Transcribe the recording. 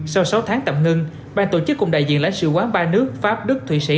sau sáu tháng tạm ngưng bang tổ chức cùng đại diện lãnh sự quán ba nước pháp đức thụy sĩ